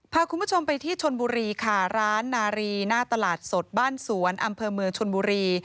พาคุณผู้ชมไปที่ชนบุรีค่ะร้านนารีหน้าตลาดสดบ้านสวนอำเภอเมืองชนบุรี